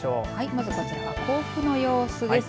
まずこちらは甲府の様子です。